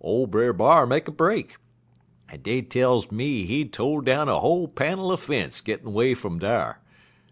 ole Brer B'ar make a break, en dey tells me he to' down a whole panel er fence gittin' 'way fum dar.